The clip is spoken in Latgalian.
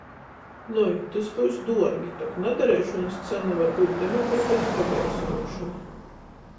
Nui, tys byus duorgi, tok nadareišonys cena var byut demokratejis pagaisynuošona.